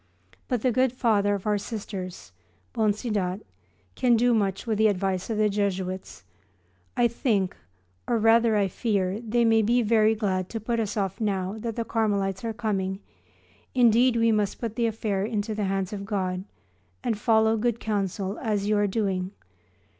But the good Father of our Sisters (Bonsidat) can do much with the advice of the Jesuits. I think, or rather I fear, they may be very glad to put us off now that the Carmelites are coming. Indeed, we must put the affair into the hands of God and follow good counsel as you are doing.